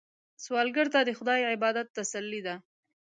سوالګر ته د خدای عبادت تسلي ده